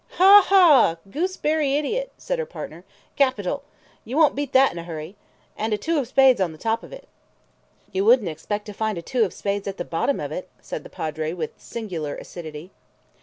"Haw! haw! gooseberry idiot!" said her partner. "Capital! You won't beat that in a hurry! And a two of spades on the top of it." "You wouldn't expect to find a two of spades at the bottom of it," said the Padre with singular acidity.